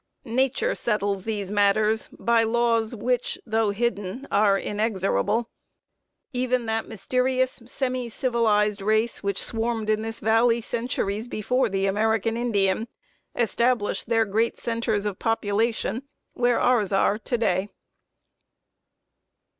Nature settles these matters by laws which, though hidden, are inexorable. Even that mysterious, semi civilized race, which swarmed in this valley centuries before the American Indian, established their great centers of population where ours are to day.